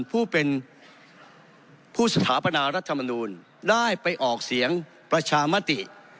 ผู้เป็นผู้สถาปนารัฐมนูลได้ไปออกเสียงประชามติ